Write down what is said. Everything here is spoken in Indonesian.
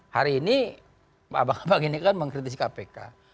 hari ini abang abang ini kan mengkritisi kpk